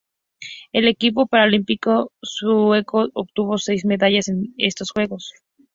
El equipo paralímpico sueco obtuvo seis medallas en estos Juegos.